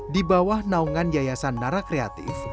di bawah naungan yayasan nara kreatif